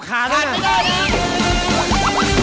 ขาดไม่ได้นะ